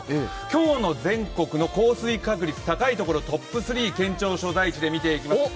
今日の全国の降水確率、高いところトップ３、県庁所在地で見ていきます。